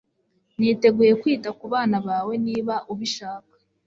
niteguye kwita ku bana bawe, niba ubishaka